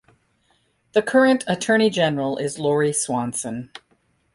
The current Attorney General is Lori Swanson.